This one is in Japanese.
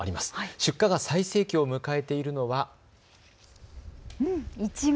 出荷が最盛期を迎えているのはいちご。